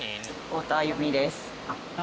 太田歩美です。